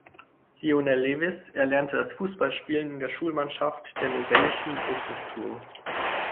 Lionel Lewis erlernte das Fußballspielen in der Schulmannschaft der "Novation Business School".